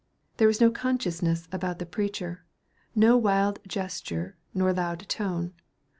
There was no consciousness about the preacher; no wild gesture nor loud tone.